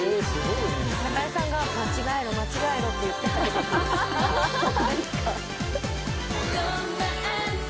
中居さんが「間違えろ間違えろ」って言ってはけていったんです